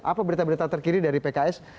apa berita berita terkini dari pks